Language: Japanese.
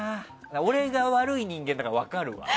俺が悪い人間だから分かるわ。